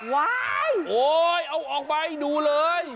โอ๊ยเอาออกไปดูเลย